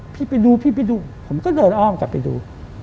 พี่ไปดูผมเร็นอ้อมกลับไปดู